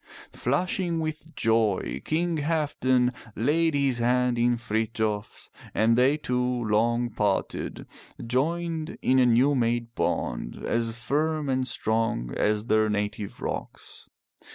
Flushing with joy King Halfdan laid his hand in Frithjof's and they two, long parted, joined in a new made bond as firm and strong as their native rocks.